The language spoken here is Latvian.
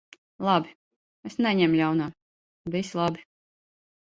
Labi. Es neņemu ļaunā. Viss labi.